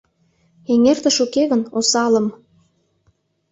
Эҥертыш уке гын, осалым